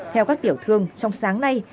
theo các tiểu thương trong sáng nay